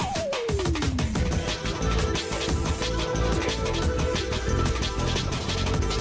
สวัสดีค่ะ